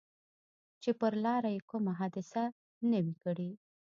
چې پر لاره یې کومه حادثه نه وي کړې.